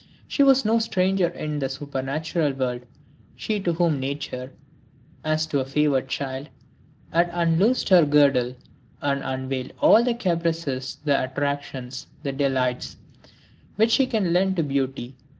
She was no stranger in the supernatural world, she to whom Nature, as to a favored child, had unloosed her girdle and unveiled all the caprices, the attractions, the delights, which she can lend to beauty.